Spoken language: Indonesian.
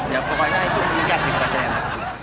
ya pokoknya itu menikmati pasukan kuning